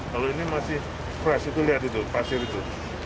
kalau ini masih fresh itu lihat itu pasir itu